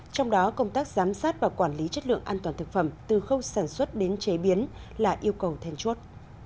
trong đó công tác giám sát và quản lý chất lượng an toàn thực phẩm từ khâu sản xuất đến chế biến là yêu cầu then chốt